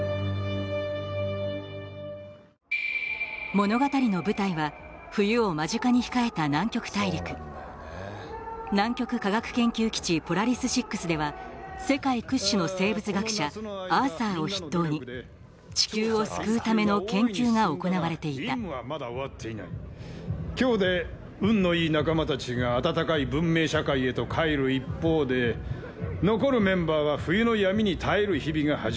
物語の舞台は冬を間近に控えた南極大陸南極科学研究基地ポラリス６では世界屈指の生物学者アーサーを筆頭に地球を救うための研究が行われていた今日で運のいい仲間たちがあたたかい文明社会へと帰る一方で残るメンバーは冬の闇に耐える日々が始まる。